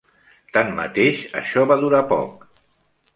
Tanmateix, això va durar poc.